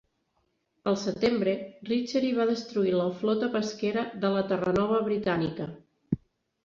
El setembre, Richery va destruir la flota pesquera de la Terranova britànica.